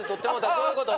どういうこと？